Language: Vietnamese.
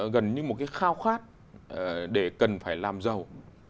gần như một cái khao khát để cần phải làm giàu